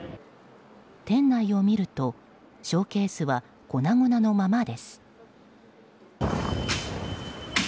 店内を見るとショーケースは粉々のままです。